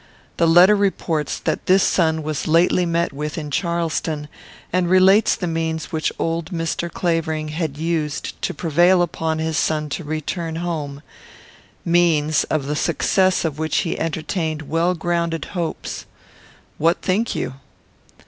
This letter reports that this son was lately met with in Charleston, and relates the means which old Mr. Clavering had used to prevail upon his son to return home; means, of the success of which he entertained well grounded hopes. What think you?"